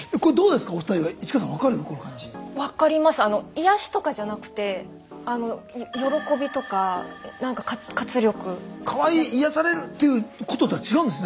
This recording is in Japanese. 癒やしとかじゃなくてかわいい癒やされるっていうこととは違うんですね何か。